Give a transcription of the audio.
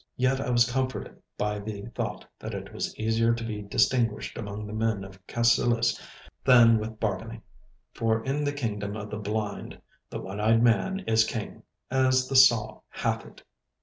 Yet I was comforted by the thought that it was easier to be distinguished among the men of Cassillis than with Bargany—for in the kingdom of the blind the one eyed man is king, as the saw hath it.